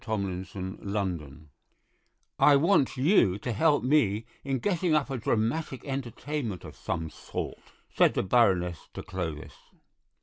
THE PEACE OFFERING "I want you to help me in getting up a dramatic entertainment of some sort," said the Baroness to Clovis.